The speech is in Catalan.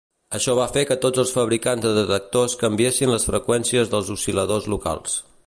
Això va fer que tots els fabricants de detectors canviessin les freqüències dels oscil·ladors locals.